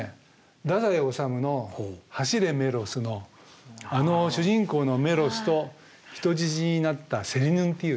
太宰治の「走れメロス」のあの主人公のメロスと人質になったセリヌンティウス。